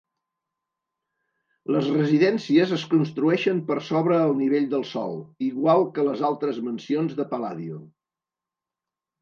Les residències es construeixen per sobre el nivell del sòl, igual que les altres mansions de Palladio.